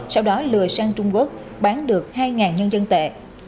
sau đó lừa sang trung quốc bán được hai nhân dân tệ